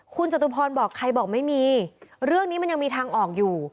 คุณจตุพรบอกใครบอกไม่มีเรื่องนี้มันยังมีทางออกอยู่